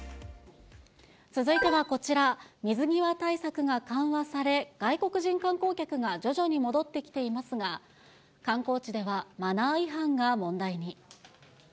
続いてはこちら、水際対策が緩和され、外国人観光客が徐々に戻ってきていますが、観光地ではマナー違反が問題に。